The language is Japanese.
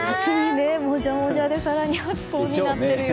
もじゃもじゃで更に暑そうになってるよ。